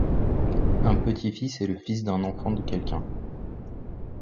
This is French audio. Un petit-fils est le fils d'un enfant de quelqu'un.